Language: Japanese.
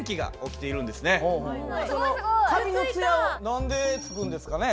何でつくんですかね？